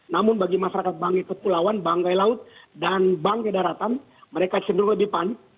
namun bagi masyarakat bangga kepulauan bangga laut dan bangga daratan mereka sendiri lebih panik